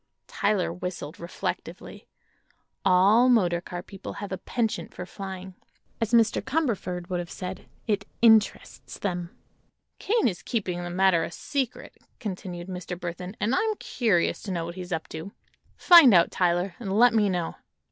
Tyler whistled, reflectively. All motor car people have a penchant for flying. As Mr. Cumberford would have said: it "interests them." "Kane is keeping the matter a secret," continued Mr. Burthon, "and I'm curious to know what he's up to. Find out, Tyler, and let me know."